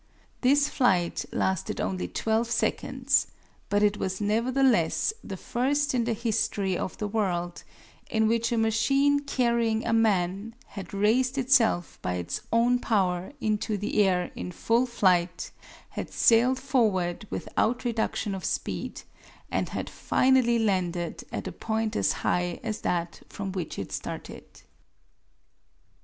This flight lasted only 12 seconds, but it was nevertheless the first in the history of the world in which a machine carrying a man had raised itself by its own power into the air in full flight, had sailed forward without reduction of speed, and had finally landed at a point as high as that from which it started.